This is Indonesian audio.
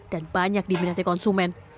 dan banyak diminati konsumen